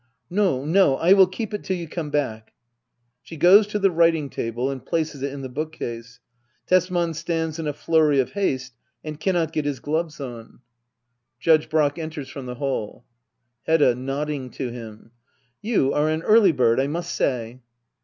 No, no, I will keep it till you come back. [She goes to the writing table and places it in the bookcase, Tesman stands in a flurry of haste, and cannot get his gloves on, Digitized by Google ACT III.] HEDDA OABLER. 131 Judge Brack enters from the hall, Hedda. [Nodding to him.'] You are an early bird^ I must say.